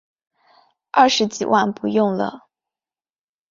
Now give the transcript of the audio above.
二十几万不用了